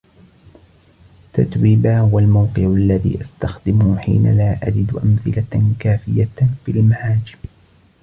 تتويبا هو الموقع الذي أستخدمه حين لا أجد أمثلةً كافيةً في المعاجم.